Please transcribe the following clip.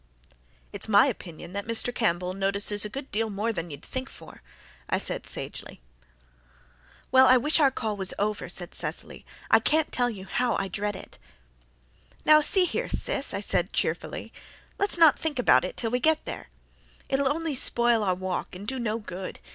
"It's my opinion that Mr. Campbell notices a good deal more than you'd think for," I said sagely. "Well, I wish our call was over," sighed Cecily. "I can't tell you how I dread it." "Now, see here, Sis," I said cheerfully, "let's not think about it till we get there. It'll only spoil our walk and do no good.